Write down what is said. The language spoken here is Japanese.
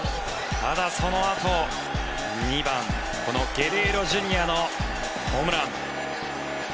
まだそのあと２番、このゲレーロＪｒ．のホームラン。